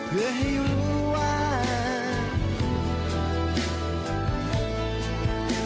เพื่อให้รู้ว่า